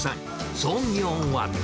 創業は。